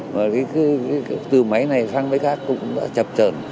mà cái từ máy này sang máy khác cũng đã chập trờn